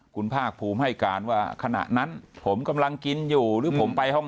คุณภาคภูมิให้การว่าขณะนั้นผมกำลังกินอยู่หรือผมไปห้อง